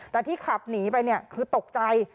แต่ที่ขับหนีไปเนี่ยคือตกใจ